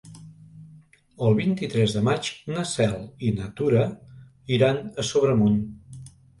El vint-i-tres de maig na Cel i na Tura iran a Sobremunt.